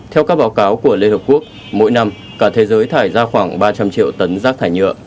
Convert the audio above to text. theo các báo cáo của liên hợp quốc mỗi năm cả thế giới thải ra khoảng ba trăm linh triệu tấn rác thải nhựa